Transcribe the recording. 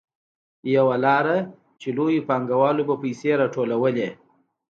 یوه لار چې لویو پانګوالو به پیسې راټولولې